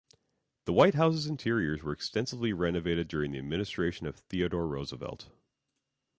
The White House's interiors were extensively renovated during the administration of Theodore Roosevelt.